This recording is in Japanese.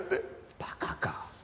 バカか。